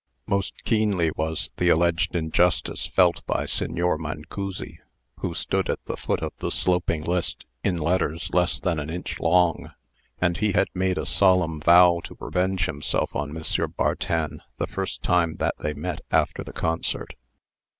Most keenly was the alleged injustice felt by Signer Mancussi, who stood at the foot of the sloping list in letters less than an inch long; and he had made a solemn vow to revenge himself on M. Bartin the first time that they met after the concert.